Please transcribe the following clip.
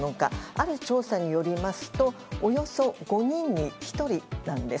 ある調査によりますとおよそ５人に１人なんです。